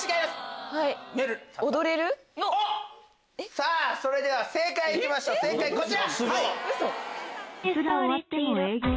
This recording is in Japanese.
さぁそれでは正解行きましょう正解こちら。